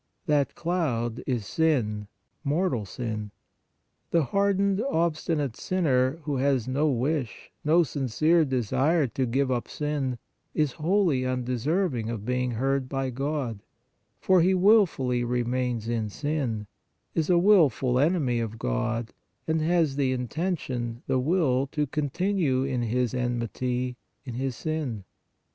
That cloud is sin, mortal sin. The hardened, ob stinate sinner who has no wish, no sincere desire to give up sin, is wholly undeserving of being heard by God, for he wilfully remains in sin, is a wilful enemy of God and has the intention, the will to continue in His enmity, in his sin.